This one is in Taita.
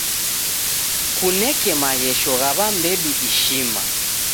Kuneke maghesho gha w'ambedu ishima.